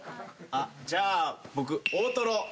あっじゃあ僕大トロ下さい。